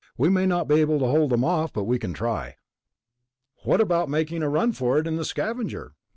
We may not be able to hold them off, but we can try." "What about making a run for it in the Scavenger?"